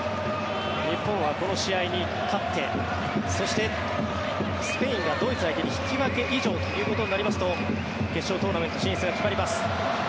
日本はこの試合に勝ってそしてスペインがドイツ相手に引き分け以上ということになりますと決勝トーナメント進出が決まります。